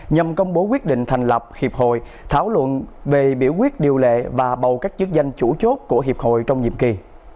nhằm công bố quyết định thành lập hiệp hội thảo luận về biểu quyết điều lệ và bầu các chức danh chủ chốt của hiệp hội trong nhiệm kỳ